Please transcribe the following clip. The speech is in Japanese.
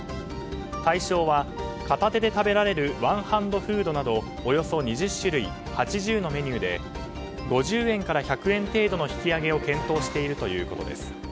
対象は片手で食べられるワンハンドフードなどおよそ２０種類８０のメニューで５０円から１００円程度の引き上げを検討しているということです。